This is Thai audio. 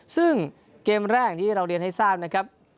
ซึ่งเกมแรกอย่างที่เราเรียนให้ทราบนะครับ